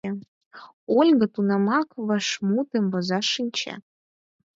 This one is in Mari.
Ольга тунамак вашмутым возаш шинче.